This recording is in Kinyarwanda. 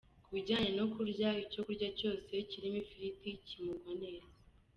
Ku bijyanye no kurya, icyo kurya cyose kirimo ifiriti kimugwa neza.